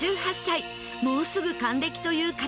もうすぐ還暦という克典さん。